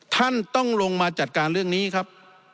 ท่านต้องลงมาจัดการเรื่องนี้ครับ